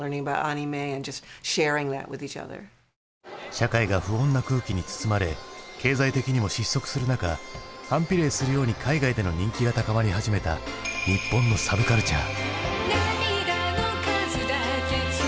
社会が不穏な空気に包まれ経済的にも失速する中反比例するように海外での人気が高まり始めた日本のサブカルチャー。